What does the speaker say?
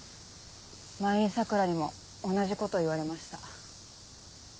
前に桜にも同じこと言われました。